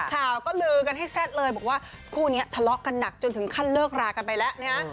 ข่าวก็ลือกันให้แซ่ดเลยบอกว่าคู่นี้ทะเลาะกันหนักจนถึงขั้นเลิกรากันไปแล้วนะฮะ